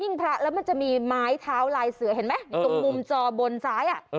พระแล้วมันจะมีไม้เท้าลายเสือเห็นไหมตรงมุมจอบนซ้ายอ่ะ